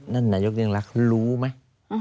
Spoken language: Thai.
นายกยิ่งรักรู้ไหม